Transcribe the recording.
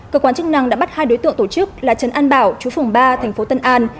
cơ quan chức năng đã bắt hai đối tượng tổ chức là trần an bảo chú phường ba thành phố tân an